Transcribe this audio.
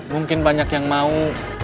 mungkin banyak yang mau